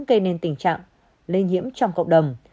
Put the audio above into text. gây nên tình trạng lây nhiễm trong cộng đồng